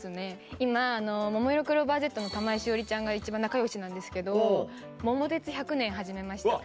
今ももいろクローバーＺの玉井詩織ちゃんが一番仲よしなんですけど『桃鉄』１００年始めました。